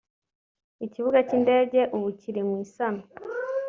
Ikibuga cy’indege ubu kiri mu isanwa